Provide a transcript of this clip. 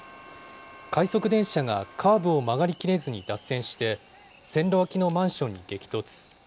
快速電車がカーブを曲がり切れずに脱線して、線路脇のマンションに激突。